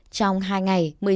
trong hai ngày